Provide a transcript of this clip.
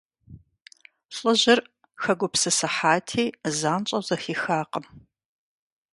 ЛӀыжьыр хэгупсысыхьати, занщӀэу зэхихакъым.